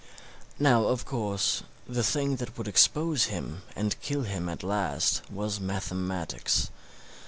Now of course the thing that would expose him and kill him at last was mathematics.